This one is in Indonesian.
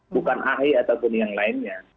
bukan ahy ataupun yang lainnya